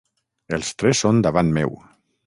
Els tres són davant meu.